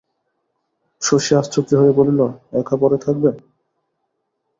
শশী আশ্চর্য হইয়া বলিল, একা পড়ে থাকবেন?